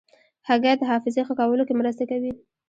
هګۍ د حافظې ښه کولو کې مرسته کوي.